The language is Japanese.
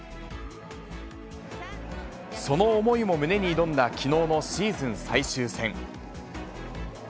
その思いも胸に挑んだきのうのシーズン最終戦。